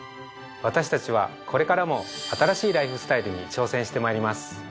私たちはこれからも新しいライフスタイルに挑戦してまいります。